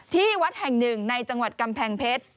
ที่วัดแห่งหนึ่งในจังหวัดกำแพงเพชร